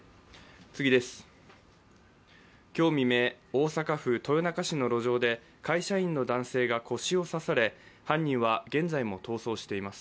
今日未明、大阪府豊中市の路上で会社員の男性が腰を刺され、犯人は現在も逃走しています。